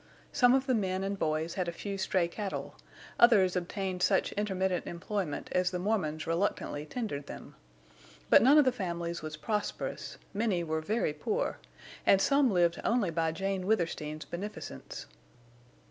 Some of the men and boys had a few stray cattle, others obtained such intermittent employment as the Mormons reluctantly tendered them. But none of the families was prosperous, many were very poor, and some lived only by Jane Withersteen's beneficence.